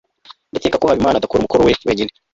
ndakeka ko habimana adakora umukoro we wenyine